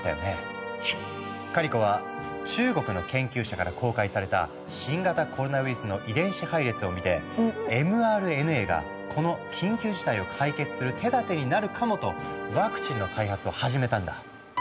カリコは中国の研究者から公開された新型コロナウイルスの遺伝子配列を見てｍＲＮＡがこの緊急事態を解決する手だてになるかもとワクチンの開発を始めたんだ。